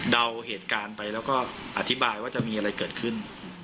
เดาเหตุการณ์ไปแล้วก็อธิบายว่าจะมีอะไรเกิดขึ้น